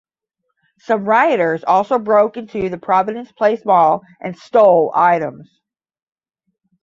Some rioters also broke into the Providence Place Mall and stole items.